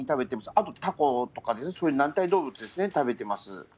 あとタコとかですね、そういう軟体動物ですね、食べてます。